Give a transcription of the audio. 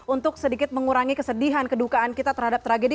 untuk sedikit mengurangi kesedihan kedukaan kita terhadap tragedi